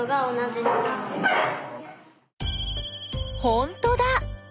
ほんとだ！